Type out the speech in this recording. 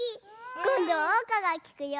こんどはおうかがきくよ！